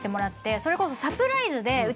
それこそ。